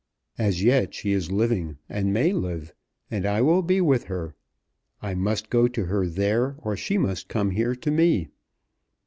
As yet she is living, and may live, and I will be with her. I must go to her there, or she must come here to me.